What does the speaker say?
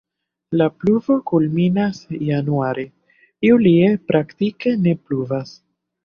La pluvo kulminas januare, julie praktike ne pluvas.